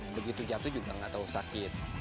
begitu jatuh juga nggak tahu sakit